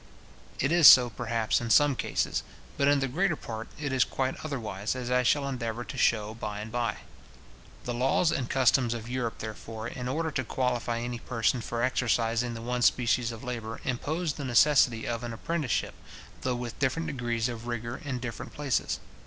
It is so perhaps in some cases; but in the greater part it is quite otherwise, as I shall endeavour to shew by and by. The laws and customs of Europe, therefore, in order to qualify any person for exercising the one species of labour, impose the necessity of an apprenticeship, though with different degrees of rigour in different places.